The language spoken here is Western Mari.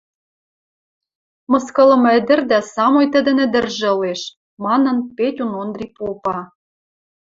– Мыскылымы ӹдӹрдӓ самой тӹдӹн ӹдӹржӹ ылеш, – манын, Петюн Ондри попа.